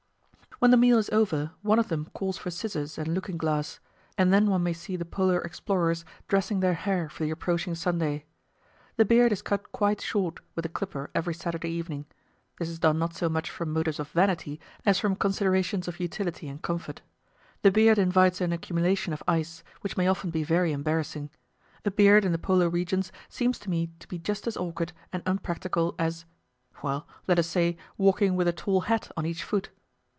When the meal is over, one of them calls for scissors and looking glass, and then one may see the Polar explorers dressing their hair for the approaching Sunday. The beard is cut quite short with the clipper every Saturday evening; this is done not so much from motives of vanity as from considerations of utility and comfort. The beard invites an accumulation of ice, which may often be very embarrassing. A beard in the Polar regions seems to me to be just as awkward and unpractical as well, let us say, walking with a tall hat on each foot.